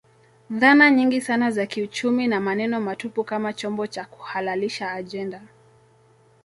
Dhana nyingi sana za kiuchumi na maneno matupu kama chombo cha kuhalalisha ajenda